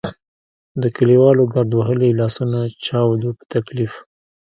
د کلیوالو ګرد وهلي لاسونه چاود وو په تکلیف.